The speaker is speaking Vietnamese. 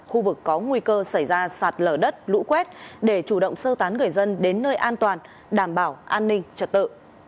khu vực có nguy cơ xảy ra sạt lở đất lũ quét để chủ động sơ tán người dân đến nơi an toàn đảm bảo an ninh trật tự